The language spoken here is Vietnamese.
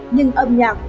nhưng âm nhạc